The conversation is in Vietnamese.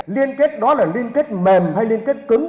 liên kết đó là liên kết mềm hay liên kết cứng